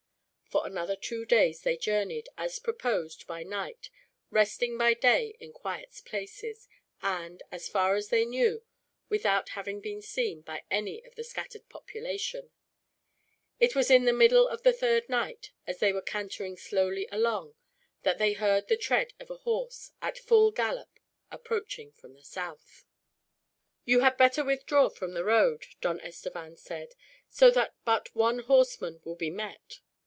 For another two days they journeyed, as proposed, by night; resting by day in quiet places and, so far as they knew, without having been seen by any of the scattered population. It was in the middle of the third night, as they were cantering slowly along, that they heard the tread of a horse, at full gallop, approaching from the south. "You had better withdraw from the road," Don Estevan said, "so that but one horseman will be met.